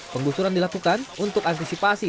pengusuran dilakukan untuk antisipasi